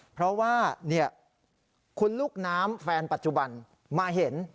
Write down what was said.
เพราะว่าคุณลูกน้ำแฟนปัจจุบันมาเห็น